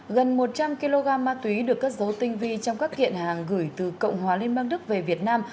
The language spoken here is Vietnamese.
gần một trăm linh kg ma túy được cất dấu tinh vi trong các kiện hàng gửi từ cộng hòa liên bang đức về việt nam